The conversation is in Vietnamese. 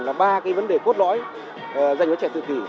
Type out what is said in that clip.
là ba cái vấn đề cốt lõi dành cho trẻ tự kỷ